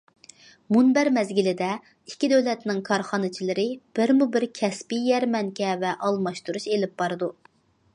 مۇنبەر مەزگىلىدە، ئىككى دۆلەتنىڭ كارخانىچىلىرى بىرمۇ بىر كەسپىي يەرمەنكە ۋە ئالماشتۇرۇش ئېلىپ بارىدۇ.